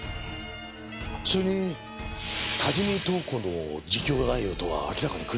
それに多治見透子の自供内容とは明らかに食い違います。